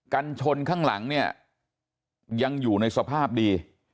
กันชนข้างหลังเนี่ยยังอยู่ในสภาพดี